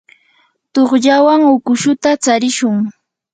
tuqllawan ukushuta tsarishun.